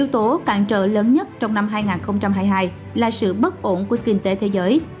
yếu tố cản trở lớn nhất trong năm hai nghìn hai mươi hai là sự bất ổn của kinh tế thế giới